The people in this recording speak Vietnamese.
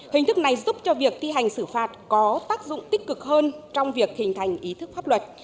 hình thức này giúp cho việc thi hành xử phạt có tác dụng tích cực hơn trong việc hình thành ý thức pháp luật